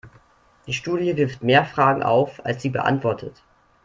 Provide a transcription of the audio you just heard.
Die Studie wirft mehr Fragen auf, als sie beantwortet.